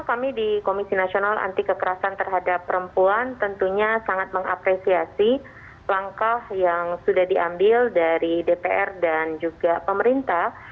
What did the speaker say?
kami di komisi nasional anti kekerasan terhadap perempuan tentunya sangat mengapresiasi langkah yang sudah diambil dari dpr dan juga pemerintah